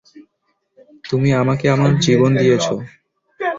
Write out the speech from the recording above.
তুমি আমাকে আমার জীবন দিয়েছো।